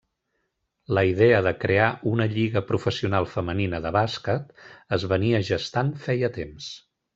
La idea de crear una lliga professional femenina de bàsquet es venia gestant feia temps.